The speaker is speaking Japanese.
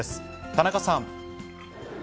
田中さん。